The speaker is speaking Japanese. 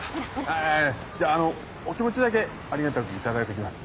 あじゃああのお気持ちだけありがたく頂いときます。